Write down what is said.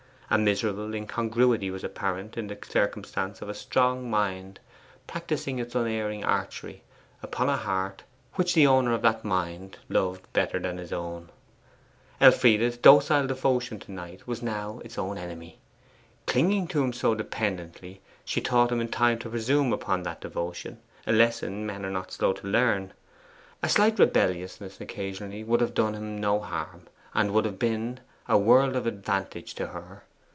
A miserable incongruity was apparent in the circumstance of a strong mind practising its unerring archery upon a heart which the owner of that mind loved better than his own. Elfride's docile devotion to Knight was now its own enemy. Clinging to him so dependently, she taught him in time to presume upon that devotion a lesson men are not slow to learn. A slight rebelliousness occasionally would have done him no harm, and would have been a world of advantage to her.